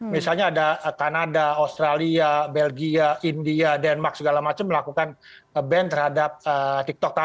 misalnya ada kanada australia belgia india denmark segala macam melakukan ban terhadap tiktok